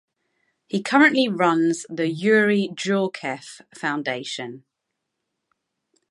He currently runs the Youri Djorkaeff Foundation.